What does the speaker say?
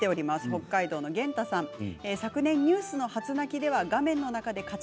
北海道の方からです。